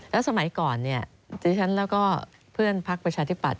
แล้วสมัยก่อนดิฉันแล้วก็เพื่อนพักประชาธิปัตย